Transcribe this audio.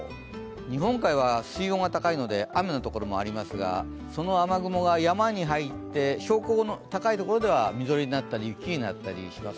日本海は水温が高いので雨の所もありますがその雨雲が山に入って標高の高い所ではみぞれになったり雪になったりします。